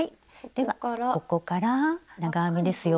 ではここから長編みですよ。